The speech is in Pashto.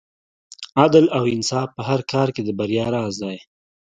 عدل او انصاف په هر کار کې د بریا راز دی.